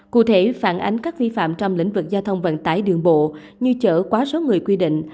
cụ thể phản ánh các vi phạm trong lĩnh vực giao thông vận tải đường bộ như chở quá số người quy định